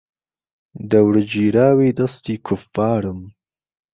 دهور گیراوی دهستی کوففارم